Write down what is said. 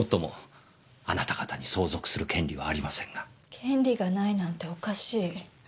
権利がないなんておかしい。